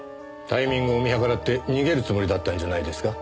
タイミングを見計らって逃げるつもりだったんじゃないですか？